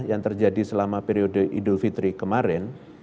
yang terjadi selama periode idul fitri kemarin